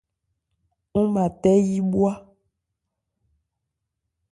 Ɔ́n mâ tɛ́ yí bhwá.